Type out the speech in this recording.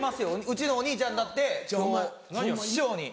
うちのお兄ちゃんだって今日師匠に。